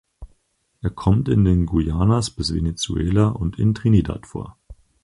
Er kommt in den Guyanas bis Venezuela und in Trinidad vor.